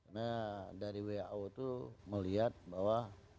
nah dari wao itu melihat bahwa